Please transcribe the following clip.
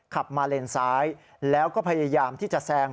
ขับมาเลนซ้ายแล้วก็พยายามที่จะแซง